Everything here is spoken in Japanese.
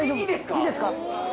いいですか？